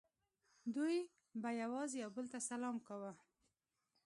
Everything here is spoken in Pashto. دوی به یوازې یو بل ته سلام کاوه